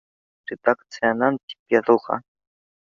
— Редакциянан, тип яҙылған